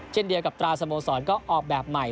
เช่นเดียวกับตราสโมสรก็ออกแบบใหม่